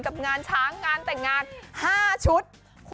กับงานช้างงานแต่งงาน๕ชุด